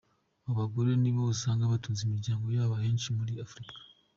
Abo bagore ni nabo usanga batunze imiryango yabo ahenshi muri Afurika.